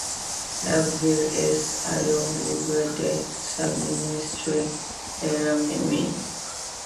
La ville est alors libre de s'administrer elle-même.